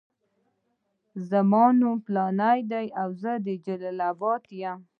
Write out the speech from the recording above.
زما نوم فلانی دی او زه د جلال اباد یم.